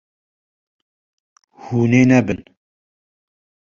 Hûn ê nebin.